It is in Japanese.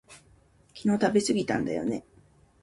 昨日食べすぎたんだよね